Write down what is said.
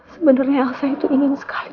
sebenarnya saya itu ingin sekali